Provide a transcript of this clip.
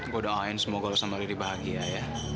gue doain semoga lo sama riri bahagia ya